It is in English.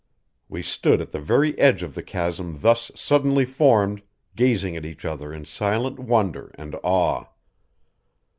We stood at the very edge of the chasm thus suddenly formed, gazing at each other in silent wonder and awe.